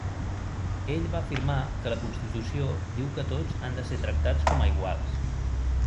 Ell va afirmar que la Constitució diu que tots han de ser tractats com a iguals.